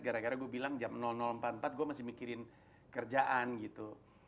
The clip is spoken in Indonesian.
gara gara gue bilang jam empat puluh empat gue masih mikirin kerjaan gitu